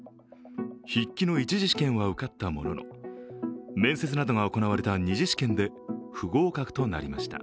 筆記の一次試験は受かったものの面接などが行われた二次試験で不合格となりました。